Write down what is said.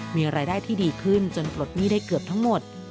มีรายได้ที่ดีขึ้นจนปลดหนี้ได้เกือบทั้งหมด